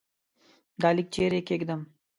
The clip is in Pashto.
دا لیک چيري کښېږدم ؟